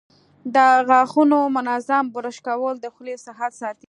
د غاښونو منظم برش کول د خولې صحت ساتي.